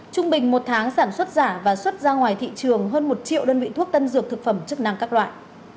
trung bình một tháng sản xuất giả và xuất ra ngoài thị trường hơn một triệu đơn vị thuốc tân dược thực phẩm chức năng các loại